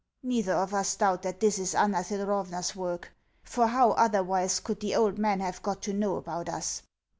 Neither of us doubt that this is Anna Thedorovna's work for how otherwise could the old man have got to know about us?